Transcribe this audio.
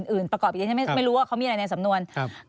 อื่นประกอบดิฉันไม่รู้ว่าเขามีอะไรในสำนวน